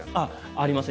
ありますね。